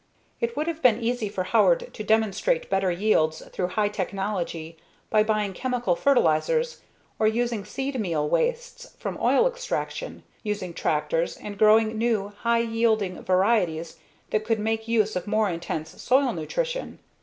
It would have been easy for Howard to demonstrate better yields through high technology by buying chemical fertilizers or using seed meal wastes from oil extraction, using tractors, and growing new, high yielding varieties that could make use of more intense soil nutrition.